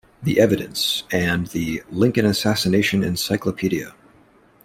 The Evidence, and The Lincoln Assassination Encyclopedia.